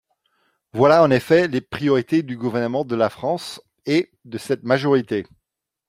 Voilà en effet les priorités du gouvernement de la France et de cette majorité.